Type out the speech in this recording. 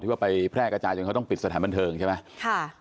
ว่าไปแพร่กระจายจนเขาต้องปิดสถานบันเทิงใช่ไหมค่ะ